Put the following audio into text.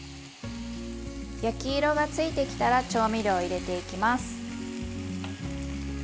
焼き色がついてきたら調味料を入れていきます。